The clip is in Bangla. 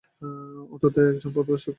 অন্তত্য একজন প্রদর্শক তো নিয়ে যাও।